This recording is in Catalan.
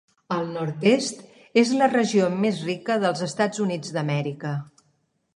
El Nord-est és la regió més rica dels Estats Units d'Amèrica.